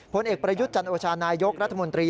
ผลเอกประยุทธ์จันโอชานายกรัฐมนตรี